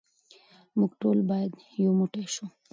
موږ ټول باید یو موټی شو.